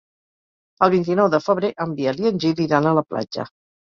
El vint-i-nou de febrer en Biel i en Gil iran a la platja.